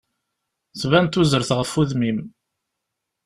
Tban tuzert ɣef udem-im.